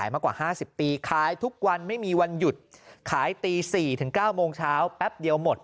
มากว่า๕๐ปีขายทุกวันไม่มีวันหยุดขายตี๔ถึง๙โมงเช้าแป๊บเดียวหมด